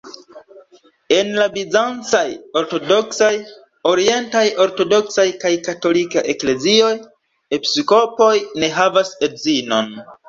En la bizancaj ortodoksaj, orientaj ortodoksaj kaj katolika eklezioj, episkopoj ne havas edzinon.